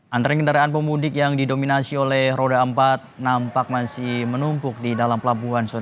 antrean kendaraan pemudik yang didominasi oleh roda empat nampak masih menumpuk di dalam pelabuhan